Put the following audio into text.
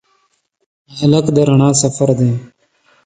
هلک د رڼا سفر دی.